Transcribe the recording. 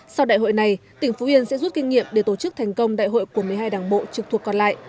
sau đại hội này tỉnh phú yên sẽ rút kinh nghiệm để tổ chức thành công đại hội của một mươi hai đảng bộ trực thuộc còn lại